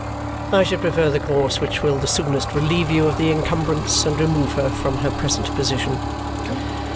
" I should prefer the course which will the soonest relieve you of the incumbrance and remove her from her present position."